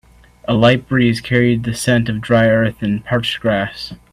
A light breeze carried the scent of dry earth and parched grass.